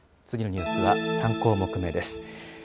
次のニュースは３項目目です。